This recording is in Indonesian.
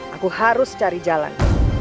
aku harus cari jalan